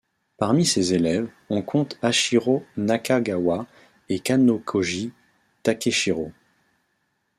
Parmi ces élèves, on compte Hachiro Nakagawa et Kanokoji Takeshiro.